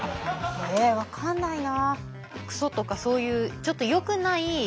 え分かんないな。